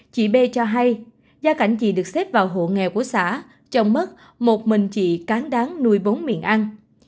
chị b cho hay gia cảnh gì được xếp vào hộ nghèo của xã chồng mất một mình chị cán đáng nuôi bốn miệng ăn